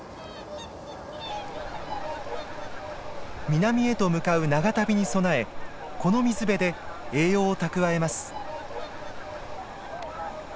南へと向かう長旅に備えこの水辺で栄養を蓄えます。